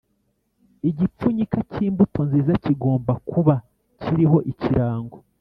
Igipfunyika cy imbuto nziza kigomba kuba kiriho ikirango